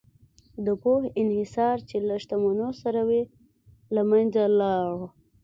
د پوهې انحصار چې له شتمنو سره و، له منځه لاړ.